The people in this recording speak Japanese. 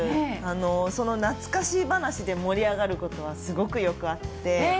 その懐かしい話で盛り上がることはすごくよくあって。